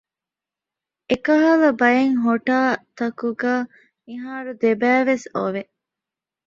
އެކަހަލަ ބައެއް ހޮޓާ ތަކުގައި މިހާރު ދެބައި ވެސް އޮވެ